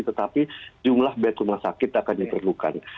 tetapi jumlah bed rumah sakit akan diperlukan